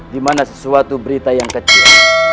dimana sesuatu berita yang kecil